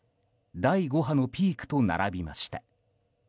第５波のピークと並びました。